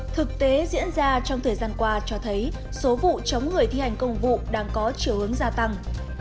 thực tế diễn ra trong thời gian qua cho thấy số vụ chống người thi hành công vụ đang có chiều hướng gia tăng